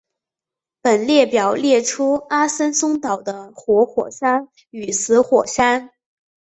本列表列出阿森松岛的活火山与死火山。